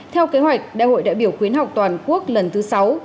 theo kế hoạch đại hội đại biểu khuyến học toàn quốc lần thứ sáu